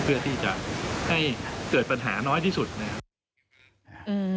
เพื่อที่จะให้เกิดปัญหาน้อยที่สุดนะครับ